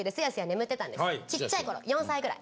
ちっちゃい頃４歳ぐらい。